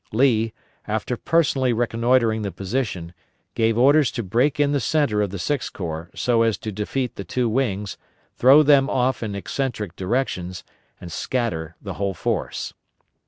Lee, after personally reconnoitring the position, gave orders to break in the centre of the Sixth Corps so as to defeat the two wings, throw them off in eccentric directions, and scatter the whole force.